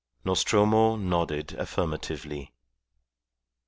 Nostromo nodded affirmatively.